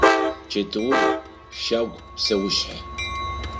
Чэтыур – щагу псэушъхь.